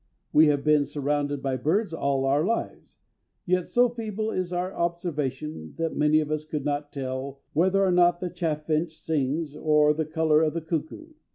We have been surrounded by birds all our lives, yet so feeble is our observation that many of us could not tell whether or not the chaffinch sings, or the colour of the cuckoo.